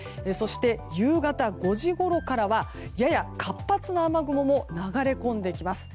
夕方５時ごろからはやや活発な雨雲も流れ込んできます。